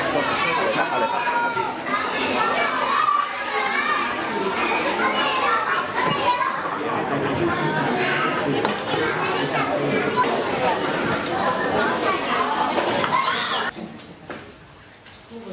บอกให้ถ่ายรูป